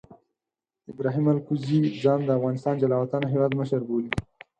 ابراهیم الکوزي ځان د افغانستان جلا وطنه هیواد مشر بولي.